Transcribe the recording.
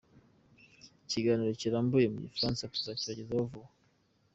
Ikiganiro kirambuye mu gifaransa tuzakibagezaho vuba.